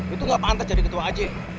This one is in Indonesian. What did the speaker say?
itu gak pantas jadi ketua aji